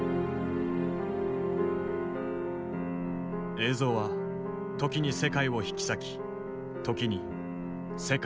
映像は時に世界を引き裂き時に世界をつなぐ。